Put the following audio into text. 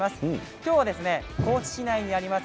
今日は高知市内にあります